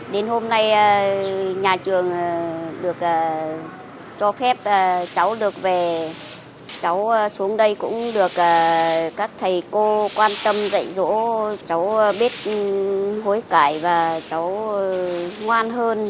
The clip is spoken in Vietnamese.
đến hôm nay nhà trường được cho phép cháu được về cháu xuống đây cũng được các thầy cô quan tâm dạy dỗ cháu biết hối cải và cháu ngoan hơn